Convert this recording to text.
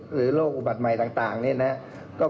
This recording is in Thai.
โรคอุบัติใหม่ต่างนี่นะครับ